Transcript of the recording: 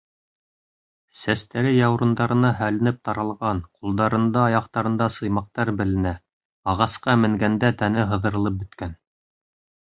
Сәстәре яурындарына һәленеп таралған, ҡулдарында, аяҡтарында сыймаҡтар беленә — ағасҡа менгәндә тәне һыҙырылып бөткән.